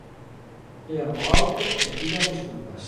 Lean o auto e pidan desculpas.